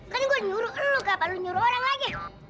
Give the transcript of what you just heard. kan gua nyuruh elu ke apaan lu nyuruh elu